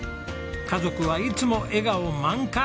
家族はいつも笑顔満開！